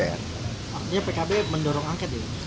artinya pkb mendorong angket ini